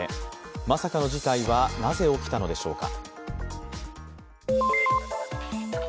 まさかの事態は、なぜ起きたのでしょうか。